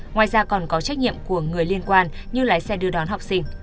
ngoài ra còn có trách nhiệm của người liên quan như lái xe đưa đón học sinh